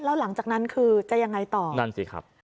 แล้วหลังจากนั้นคือจะยังไงต่อนั่นสิครับ